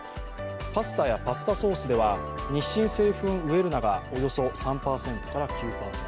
パスタやパスタソースでは日清製粉ウェルナがおよそ３％から９％